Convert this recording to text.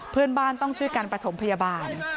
เพื่อนบ้านต้องช่วยกันประถมพยาบาล